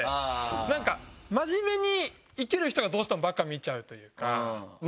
なんか真面目に生きる人がどうしてもバカ見ちゃうというか。